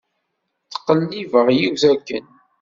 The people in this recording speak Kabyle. Ttqellibeɣ yiwet akken.